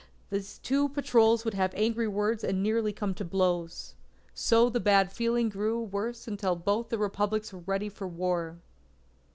The two patrols would have angry words and nearly come to blows. So the bad feeling grew worse until both Republics were ready for war.